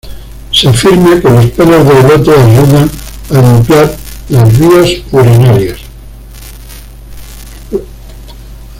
Se afirma que los pelos de elote ayudan a limpiar las vías urinarias.